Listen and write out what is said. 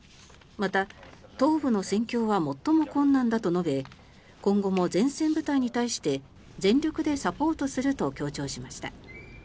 また、東部の戦況は最も困難だと述べ今後も前線部隊に対して全力でサポートすると強調しました。